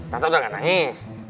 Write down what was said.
tata udah gak nangis